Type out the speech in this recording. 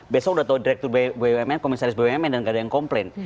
besok udah tahu direktur bumn komisaris bumn dan gak ada yang komplain